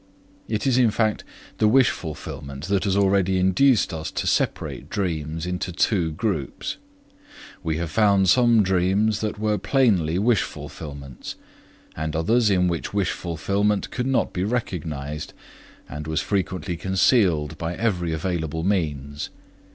It is in fact the wish fulfillment that has already induced us to separate dreams into two groups. We have found some dreams that were plainly wish fulfillments; and others in which wish fulfillment could not be recognized, and was frequently concealed by every available means.